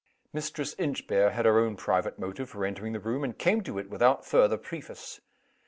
Mistress Inchbare had her own private motive for entering the room, and came to it without further preface.